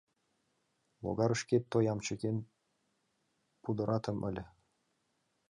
Логарышкет тоям чыкен пудыратем ыле!